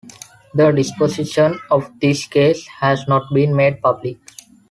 The disposition of this case has not been made public.